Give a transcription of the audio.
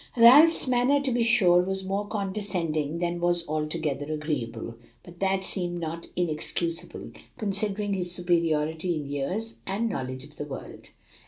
Ralph's manner, to be sure, was more condescending than was altogether agreeable, but that seemed not inexcusable, considering his superiority in years and knowledge of the world.